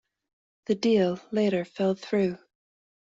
The deal later fell through.